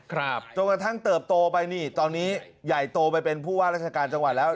จนกระทั่งเติบโตไปนี่ตอนนี้ใหญ่โตไปเป็นผู้ว่าราชการจังหวัดแล้ว